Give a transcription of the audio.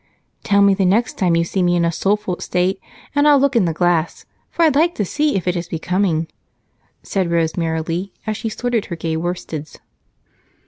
"Tell me the next time you see me in a 'soulful' state, and I'll look in the glass, for I'd like to see if it is becoming," said Rose merrily as she sorted her gay worsteds.